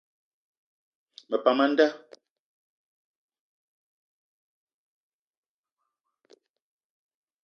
Me pam a nda.